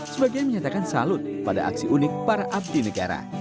sebagian menyatakan salut pada aksi unik para abdi negara